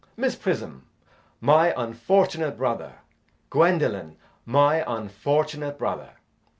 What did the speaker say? Miss Prism, my unfortunate brother. Gwendolen, my unfortunate brother.